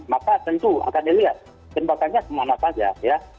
maka tentu akan dilihat tembakannya kemana saja ya